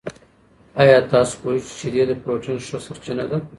آیا تاسو پوهېږئ چې شیدې د پروټین ښه سرچینه دي؟